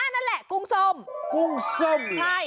นั่นแหละกุ้งส้มกุ้งส้มใช่